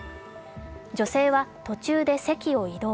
女性は途中で席を移動。